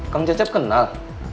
kang cecep kenal